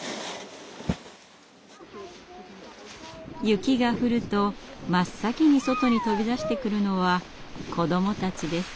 雪が降ると真っ先に外に飛び出してくるのは子どもたちです。